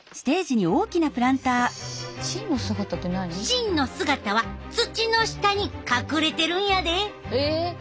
真の姿は土の下に隠れてるんやで。